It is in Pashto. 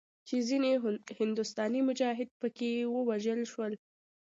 چې ځینې هندوستاني مجاهدین پکښې ووژل شول.